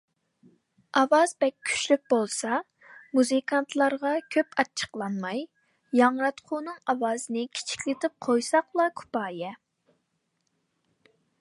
ئاۋاز بەك كۈچلۈك بولسا، مۇزىكانتلارغا كۆپ ئاچچىقلانماي، ياڭراتقۇنىڭ ئاۋازىنى كىچىكلىتىپ قويساقلا كۇپايە.